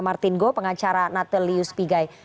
martin goh pengacara natalius pigai